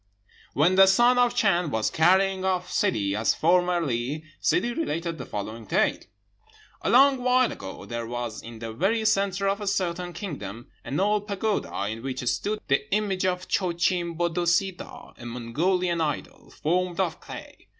When the Son of the Chan was carrying off Ssidi, as formerly, Ssidi related the following tale: "A long while ago, there was in the very centre of a certain kingdom an old pagoda, in which stood the image of Choschim Bodissadoh (a Mongolian idol), formed of clay.